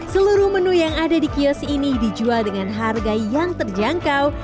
seluruh menu yang ada di kios ini dijual dengan harga yang terjangkau